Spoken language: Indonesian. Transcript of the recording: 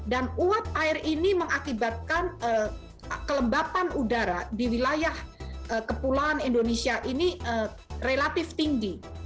dan uap air ini mengakibatkan kelembapan udara di wilayah kepulauan indonesia ini relatif tinggi